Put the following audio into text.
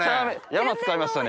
山使いましたね